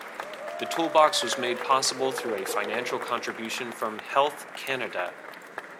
The toolbox was made possible through a financial contribution from Health Canada.